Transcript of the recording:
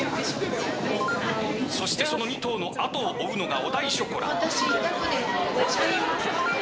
そしてその２頭の後を追うのが小田井ショコラ。